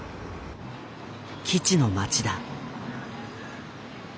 基地の町だ。